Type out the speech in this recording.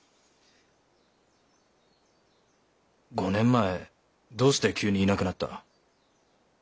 ５年前どうして急にいなくなった？